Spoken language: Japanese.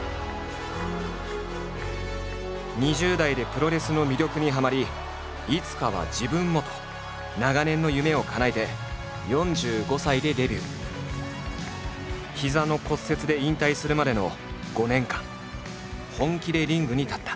２０代でプロレスの魅力にはまりいつかは自分もと長年の夢をかなえて膝の骨折で引退するまでの５年間本気でリングに立った。